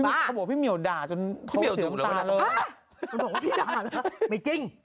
มันบอกว่าพี่ด่าไม่จริง